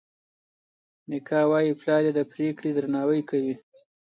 میکا وايي پلار یې د پرېکړې درناوی کوي.